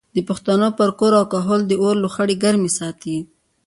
د پښتنو پر کور او کهول د اور لوخړې ګرمې ساتي.